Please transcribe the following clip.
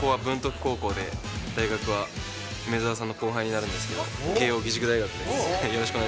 高校で、大学は梅澤さんの後輩になるんですけど、慶應義塾大学です。